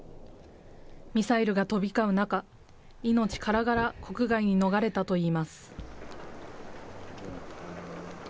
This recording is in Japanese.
ミサイルが飛び交う中、命からがら国外に逃れたといいます。